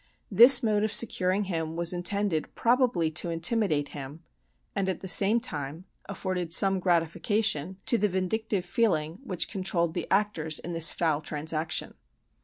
This mode of securing him was intended probably to intimidate him, and, at the same time, afforded some gratification to the vindictive feeling which controlled the actors in this foul transaction.